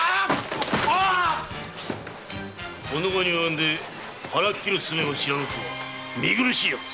この期におよんで腹切るスベも知らぬとは見苦しいヤツ！